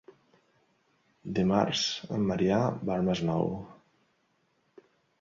Dimarts en Maria va al Masnou.